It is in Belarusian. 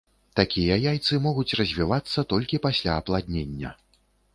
Такія яйцы могуць развівацца толькі пасля апладнення.